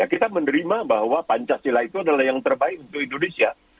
kita menerima bahwa pancasila itu adalah yang terbaik untuk indonesia